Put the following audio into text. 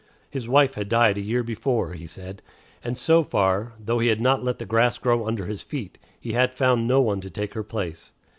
His wife had died a year before, he said, and so far, though he had not let the grass grow under his feet, he had found no one to take her place.